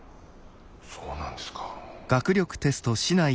そうなんですか。